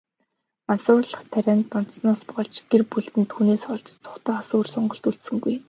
Мансууруулах тарианд донтсоноос болж, гэр бүлд нь түүнээс холдож, зугтаахаас өөр сонголт үлдсэнгүй.